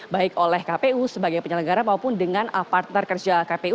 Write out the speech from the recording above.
baik oleh kpu sebagai penyelenggara maupun dengan partner kerja kpu